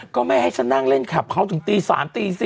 ก็ไม่ให้ฉันนั่งเล่นคลับเขาถึงตี๓ตี๔